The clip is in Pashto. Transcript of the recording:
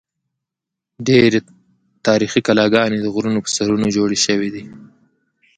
ډېری تاریخي کلاګانې د غرونو پر سرونو جوړې شوې دي.